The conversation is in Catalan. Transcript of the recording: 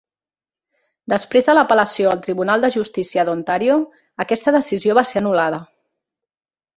Després de l'apel·lació al Tribunal de Justícia d'Ontario, aquesta decisió va ser anul·lada.